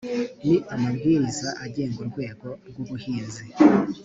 ni amabwiriza agenga urwego rw’ubuhinzi